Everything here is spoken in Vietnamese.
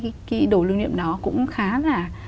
cái đồ lưu niệm đó cũng khá là